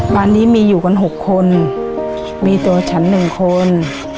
บ้านนี้มีอยู่กัน๖คนมีตัวฉัน๑คน